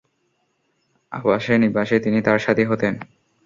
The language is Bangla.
আবাসে-নিবাসে তিনি তার সাথী হতেন।